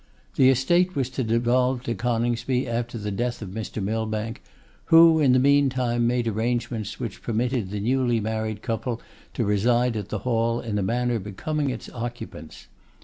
The estate was to devolve to Coningsby after the death of Mr. Millbank, who in the meantime made arrangements which permitted the newly married couple to reside at the Hall in a manner becoming its occupants.